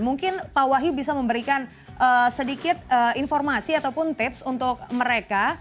mungkin pak wahyu bisa memberikan sedikit informasi ataupun tips untuk mereka